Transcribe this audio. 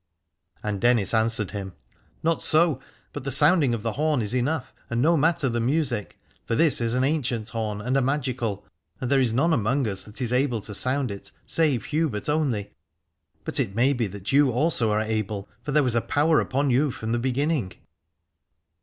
And Dennis answered him : Not so, but the sounding of the horn is enough, and no matter the music. For this is an ancient horn and a magical, and there is none among us that is able to sound it, save Hubert only : but it may be that you also are able, for there was a power upon you from the beginning.